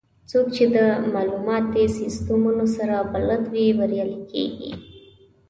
څوک چې د معلوماتي سیستمونو سره بلد وي، بریالي کېږي.